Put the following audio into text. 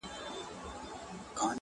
o نامردان د مړو لاري وهي!